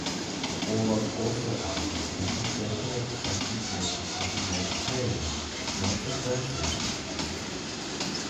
Orlov also argued that he circulated such information for humanitarian, not subversive, reasons.